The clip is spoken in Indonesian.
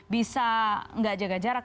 bisa tidak jaga jarak